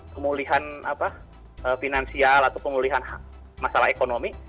pemulihan finansial atau pemulihan masalah ekonomi